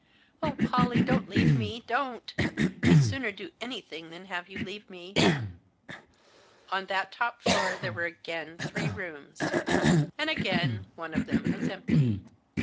" Oh, Pollie, don't leave me, don't. I'd sooner do anything than have you leave me." On that top floor there were again three rooms. And again, one of them was empty.